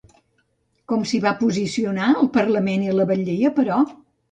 Com s'hi va posicionar el Parlament i la batllia, però?